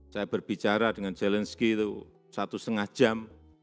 saya berbicara dengan zelensky itu satu setengah jam